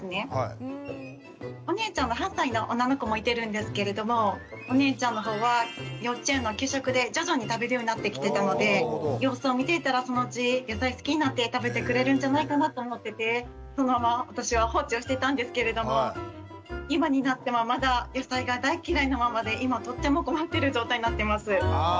お姉ちゃんの８歳の女の子もいてるんですけれどもお姉ちゃんのほうは幼稚園の給食で徐々に食べるようになってきてたので様子を見ていたらそのうち野菜好きになって食べてくれるんじゃないかなと思っててそのまま私は放置をしてたんですけれども今になってもまだ野菜が大嫌いなままで今とても困ってる状態になってます。